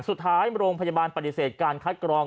สุดท้ายโรงพยาบาลปฏิเสธการคัดกรอง